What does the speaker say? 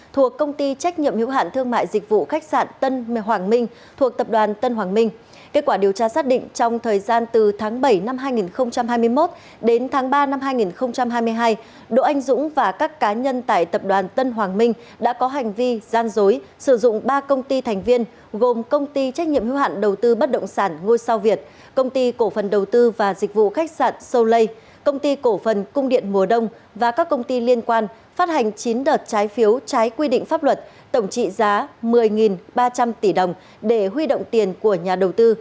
trong thời gian từ tháng bảy năm hai nghìn hai mươi một đến tháng ba năm hai nghìn hai mươi hai đỗ anh dũng và các cá nhân tại tập đoàn tân hoàng minh đã có hành vi gian dối sử dụng ba công ty thành viên gồm công ty trách nhiệm hiếu hạn đầu tư bất động sản ngôi sao việt công ty cổ phần đầu tư và dịch vụ khách sạn sâu lây công ty cổ phần cung điện mùa đông và các công ty liên quan phát hành chín đợt trái phiếu trái quy định pháp luật tổng trị giá một mươi ba trăm linh tỷ đồng để huy động tiền của nhà đầu tư